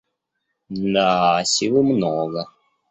Да, силы много.